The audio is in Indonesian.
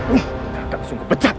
ini akan disungguh pecat